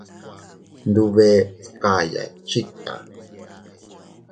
Tndube dkaya chikta.